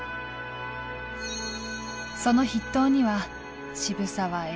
その筆頭には渋沢栄一。